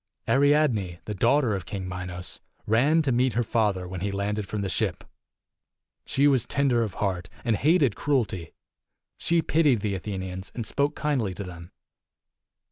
275 III. Ariadne, the daughter of King Minos, ran to meet her father when he landed from the ship. She was tender of heart, and hated cruelty. She pitied the Athenians, and spoke kindly to them.